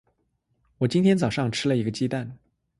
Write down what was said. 我今天早上吃了一个鸡蛋。